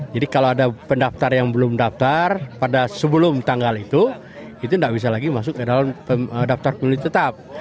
jadi kalau ada pendaftar yang belum daftar pada sebelum tanggal itu itu tidak bisa lagi masuk ke dalam daftar pemilih tetap